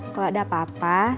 kalo ada apa apa